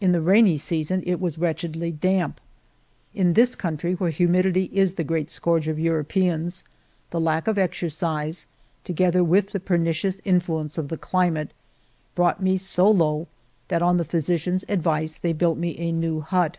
In the rainy season it was wretchedly damp. In this country, where humidity is the great scourge of Europeans, the lack of exercise, together with the pernicious influence of the climate, brought me so low, that on the physician's advice they built me a new hut.